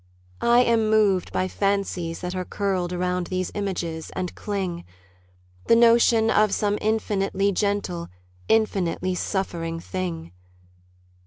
I am moved by fancies that are curled Around these images, and cling: The notion of some infinitely gentle Infinitely suffering thing.